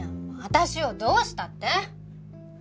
私をどうしたって？